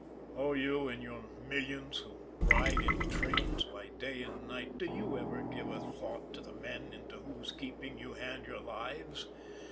Oh, you, in your millions, who ride in trains by day and night, do you ever give a thought to the men into whose keeping you hand your lives?